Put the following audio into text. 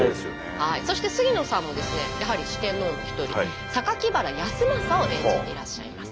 そして杉野さんもですねやはり四天王の一人原康政を演じていらっしゃいます。